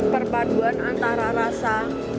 perpaduan antara rasa